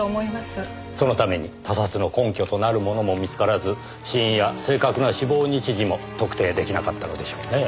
そのために他殺の根拠となるものも見つからず死因や正確な死亡日時も特定出来なかったのでしょうね。